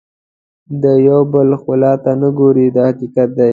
د یو بل ښکلا ته نه ګوري دا حقیقت دی.